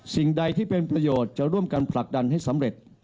สิ่งใดที่เป็นประโยชน์จะร่วมกันผลักดันให้สำเร็จ